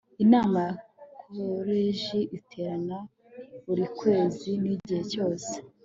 Inama ya Koleji iterana buri kwezi n igihe cyose